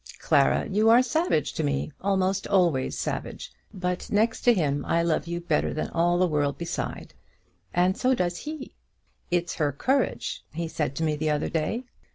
Clara, you are savage to me; almost always savage; but next to him I love you better than all the world beside. And so does he. 'It's her courage,' he said to me the other day.